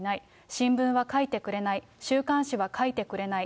新聞は書いてくれない、週刊誌は書いてくれない。